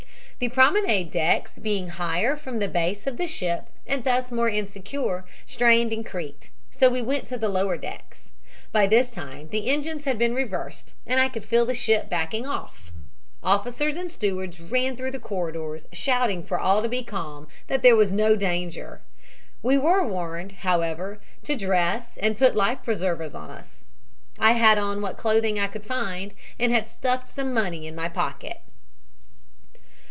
"The promenade decks being higher from the base of the ship and thus more insecure, strained and creaked; so we went to the lower decks. By this time the engines had been reversed, and I could feel the ship backing off. Officers and stewards ran through the corridors, shouting for all to be calm, that there was no danger. We were warned, however, to dress and put life preservers on us. I had on what clothing I could find and had stuffed some money in my pocket.